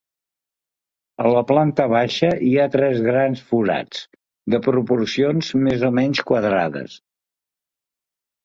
A la planta baixa hi ha tres grans forats, de proporcions més o menys quadrades.